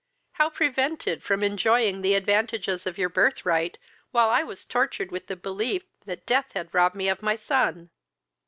how prevented from enjoying the advantages of your birth right, while I was tortured with the belief that death had robbed my of my son?"